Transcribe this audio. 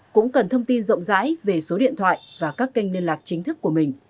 cũng cần thông tin rộng rãi về số điện thoại và các kênh liên lạc chính thức của mình